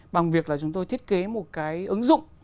bằng việc là chúng tôi thiết kế một cái ứng dụng